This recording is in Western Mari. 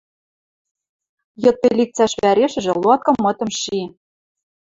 Йыдпел ик цӓш вӓрешӹжӹ луаткымытым ши...